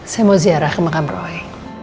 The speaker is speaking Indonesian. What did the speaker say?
saya mau ziarah ke makam roy